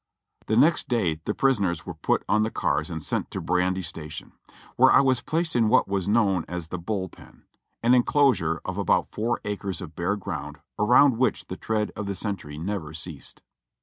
The next day the prisoners were put on the cars and sent to Brandy Station, where I was placed in what was known as the *'Bull Pen." an enclosure of about four acres of bare ground around which the tread of the sentry never ceased.